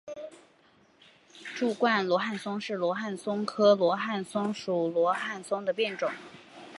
柱冠罗汉松是罗汉松科罗汉松属罗汉松的变种。